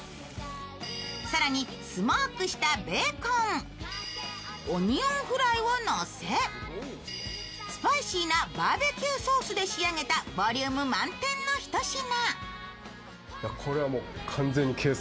更にスモークしたベーコンオニオンスライスをのせスパイシーなバーベキューソースで仕上げたボリューム満点の一品。